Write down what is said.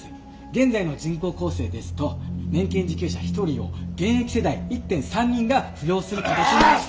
現在の人口構成ですと年金受給者１人を現役世代１．３人が扶養する形になります。